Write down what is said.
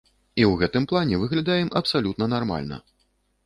І ў гэтым плане выглядаем абсалютна нармальна.